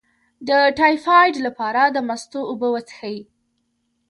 د ټایفایډ لپاره د مستو اوبه وڅښئ